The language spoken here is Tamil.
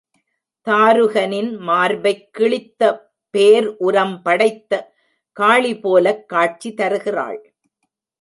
தாருகனின் மார்பைக் கிழித்த பேர்உரம் படைத்த காளிபோலக் காட்சி தருகிறாள்.